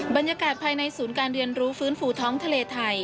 บรรยากาศภายในศูนย์การเรียนรู้ฟื้นฟูท้องทะเลไทย